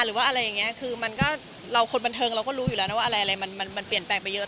เราคนบรรเทิงเราก็รู้อยู่แล้วนะว่าอะไรมันเปลี่ยนแปลงไปเยอะ